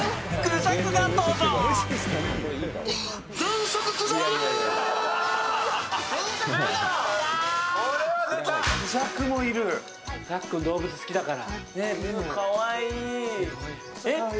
さっくん動物、好きだから。